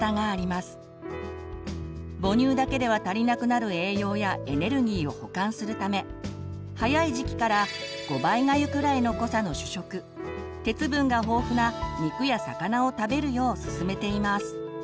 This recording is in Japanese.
母乳だけでは足りなくなる栄養やエネルギーを補完するため早い時期から５倍がゆくらいの濃さの主食鉄分が豊富な肉や魚を食べるようすすめています。